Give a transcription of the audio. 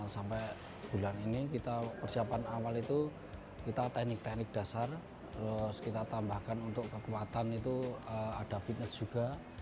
sampai bulan ini kita persiapan awal itu kita teknik teknik dasar terus kita tambahkan untuk kekuatan itu ada fitness juga